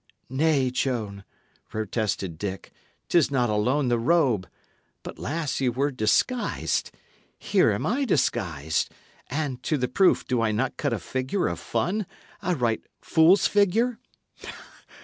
"Nay, Joan," protested Dick, "'tis not alone the robe. But, lass, ye were disguised. Here am I disguised; and, to the proof, do I not cut a figure of fun a right fool's figure?"